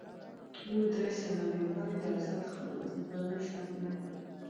موږ درې سناریوګانې د اوسط قضاوت لپاره نشو ټاکلی.